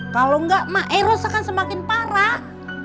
kalau nggak mairos akan semakin parah